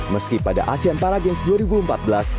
meski pada asean paragames dua ribu empat belas